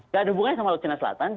dan hubungannya sama laut cina selatan